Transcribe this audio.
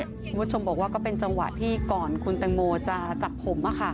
คุณผู้ชมบอกว่าก็เป็นจังหวะที่ก่อนคุณแตงโมจะจับผม